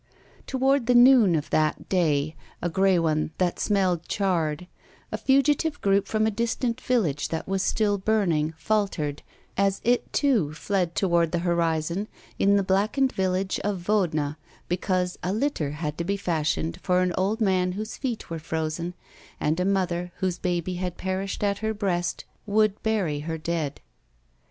Toward the noon of that day, a gray one that smelled charred, a fugitive group from a distant village that was still burning faltered, as it too fled toward the horizon, in the blackened village ci Vodna, because a litter had to be fashioned for an old man whose feet were frozen, and a mother, whose baby had perished at her breast, would bury her dead.